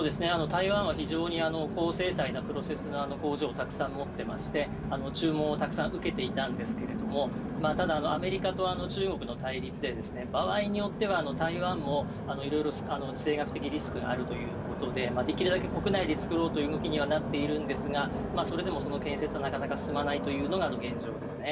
台湾は非常に高精細なプロセス側の工場をたくさん持ってまして、注文をたくさん受けていたんですけれども、ただアメリカと中国の対立で、場合によっては台湾もいろいろ地政学的リスクがあるということで、できるだけ国内で作ろうという動きにはなっているんですが、それでもその建設、なかなか進まないというのが現状ですね。